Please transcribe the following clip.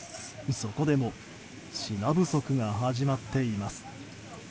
そこでも品不足が始まっています。